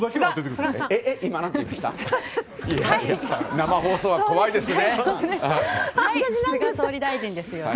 生放送は怖いですね。